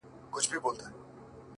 مُلا سړی سو اوس پر لاره د آدم راغلی